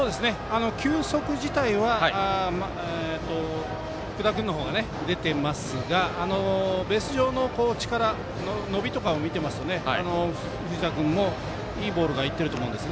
球速自体は福田君のほうが出てますがベース上の力伸びとかを見てますと藤田君もいいボールがいってると思うんです。